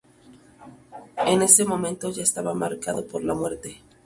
En ese momento ya estaba marcado por la muerte.